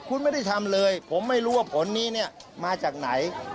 คุณไม่ได้ทำเลยผมไม่รู้ว่าผลนี้เนี่ยมาจากไหน